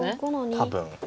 多分。